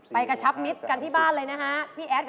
ไปกับชัพมิสกันที่บ้านเลยนะฮะ